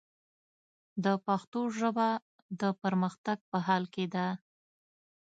د پښتو ژبه، د پرمختګ په حال کې ده.